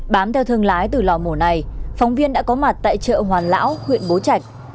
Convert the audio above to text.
bám theo thương lái từ lò mổ này phóng viên đã có mặt tại chợ hoàn lão huyện bố trạch